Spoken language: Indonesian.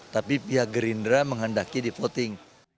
tapi pihak gerindra menghendaki di voting